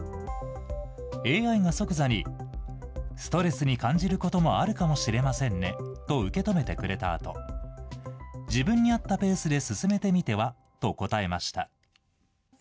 ＡＩが即座に、ストレスに感じることもあるかもしれませんねと受け止めてくれたあと、自分に合ったペースで進めてみては？と答えました。